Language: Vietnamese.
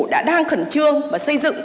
đã đang khẩn trương và xây dựng